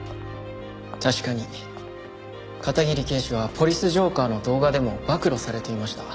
確かに片桐警視は「ポリス浄化ぁ」の動画でも暴露されていました。